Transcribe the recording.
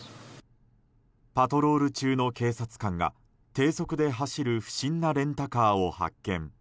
パトロール中の警察官が低速で走る不審なレンタカーを発見。